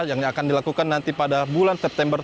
yang akan dilakukan nanti pada bulan september